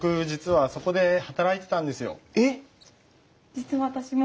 実は私も。